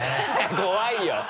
怖いよ。